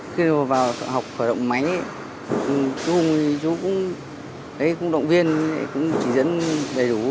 khi vào học khởi động máy chú hùng cũng động viên chỉ dẫn đầy đủ